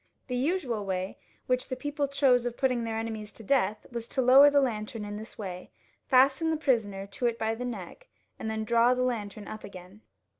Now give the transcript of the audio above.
The usual way which the people chose of putting their enemies to death was to lower the lantern in this way, fasten the prisoner to it by the neck, and then draw the lantern up again.